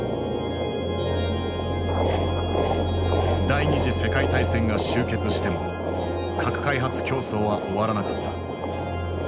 第二次世界大戦が終結しても核開発競争は終わらなかった。